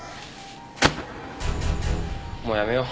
もうやめよう。